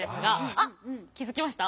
あっ気付きました？